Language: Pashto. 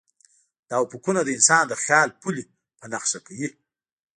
دا افقونه د انسان د خیال پولې په نښه کوي.